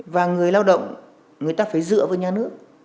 và người lao động người ta phải dựa vào nhà nước